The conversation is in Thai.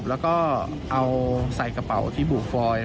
แล้วก็เอาใส่กระเป๋าที่บุฟฟอย